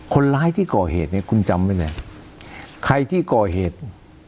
คนร้ายที่ก่อเหตุเนี่ยคุณจำไว้เลยใครที่ก่อเหตุ